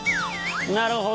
なるほど。